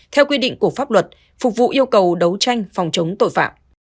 theo quy định của pháp luật phục vụ yêu cầu đấu tranh phòng chống tội phạm